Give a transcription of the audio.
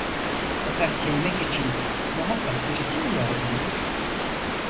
Fakat sevmek için muhakkak birisi mi lazımdır?